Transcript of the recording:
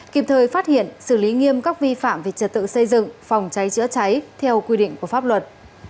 kịp thời phát hiện xử lý nghiêm các vi phạm về trật tự xây dựng phòng cháy chữa cháy theo quy định của pháp luật